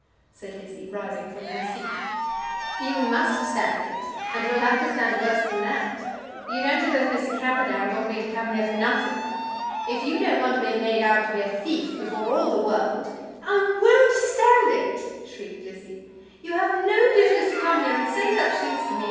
said Lizzie, rising from her seat. "You must stand it; and you'll have to stand worse than that. You don't suppose Mr. Camperdown got me to come here for nothing. If you don't want to be made out to be a thief before all the world " "I won't stand it!" shrieked Lizzie. "You have no business to come here and say such things to me.